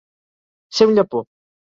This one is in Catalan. Ser un llepó.